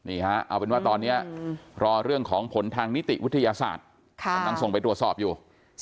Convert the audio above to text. เอาเป็นว่าตอนนี้รอเรื่องของผลทางนิติวิทยาศาสตร์กำลังส่งไปตรวจสอบอยู่